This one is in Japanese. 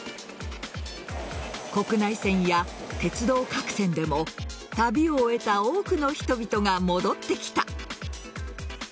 国内線や鉄道各線でも旅を終えた多くの人々が戻ってきた。